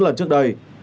rất thân thiện